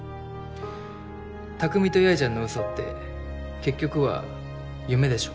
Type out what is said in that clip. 匠と八重ちゃんのうそって結局は夢でしょ。